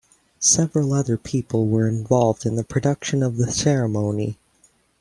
Several other people were involved in the production of the ceremony.